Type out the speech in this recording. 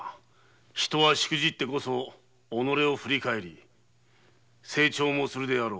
人はしくじってこそ己を振り返り成長するであろう。